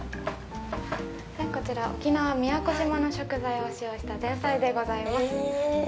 こちら、沖縄宮古島の食材を使用した前菜でございます。